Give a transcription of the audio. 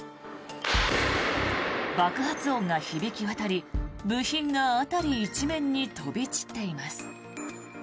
爆発音が響き渡り、部品が辺り一面に飛び散っています。